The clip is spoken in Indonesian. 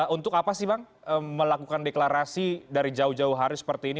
untuk apa sih bang melakukan deklarasi dari jauh jauh hari seperti ini